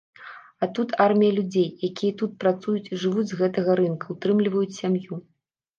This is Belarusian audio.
А тут армія людзей, якія тут працуюць і жывуць з гэтага рынка, утрымліваюць сям'ю.